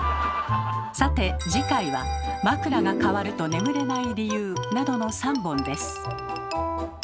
さて次回は「枕が変わると眠れない理由」などの３本です。